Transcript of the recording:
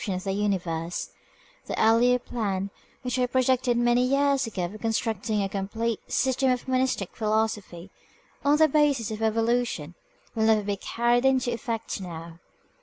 viii AUTHOR'S PREFACE plan, which I projected many years ago, of construct ing a complete "System of Monistic Philosophy" on the basis of evolution will never be carried into effect now.